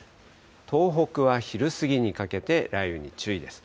東北は昼過ぎにかけて雷雨に注意です。